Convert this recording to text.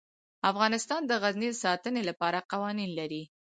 افغانستان د غزني د ساتنې لپاره قوانین لري.